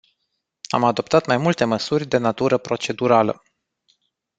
Am adoptat mai multe măsuri de natură procedurală.